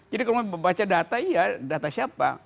jadi kalau membaca data iya data siapa